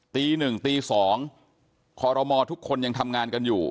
ตี๑ตี๒คอรมอทุกคนยังทำงานกันอยู่